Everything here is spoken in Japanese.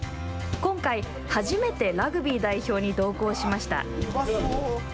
今回、初めてラグビー代表に同行しました。